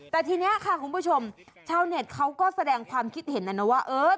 แต่ทีนี้ค่ะคุณผู้ชมชาวเน็ตเขาก็แสดงความคิดเห็นนะนะว่าเออ